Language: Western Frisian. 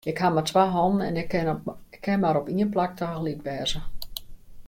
Ik haw mar twa hannen en ik kin mar op ien plak tagelyk wêze.